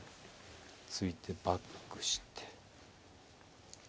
突いてバックして。